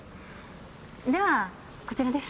ではこちらです。